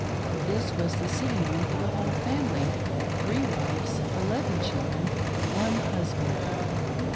This was the sitting room for the whole family — three wives, eleven children, one husband.